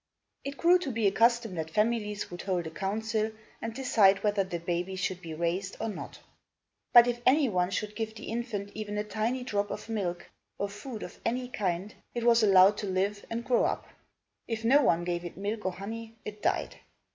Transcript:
It grew to be a custom that families would hold a council and decide whether the baby should be raised or not. But if any one should give the infant even a tiny drop of milk, or food of any kind, it was allowed to live and grow up. If no one gave it milk or honey, it died.